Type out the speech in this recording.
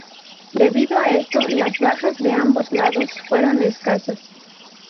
Debido a esto, las bajas de ambos lados fueron escasas.